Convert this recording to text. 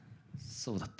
そうだった。